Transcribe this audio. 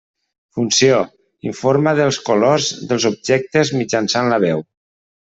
Funció: informa dels colors dels objectes mitjançant la veu.